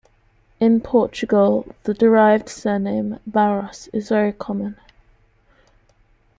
In Portugal, the derived surname "Barros" is very common.